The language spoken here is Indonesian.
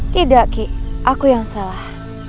tidak ki aku yang salah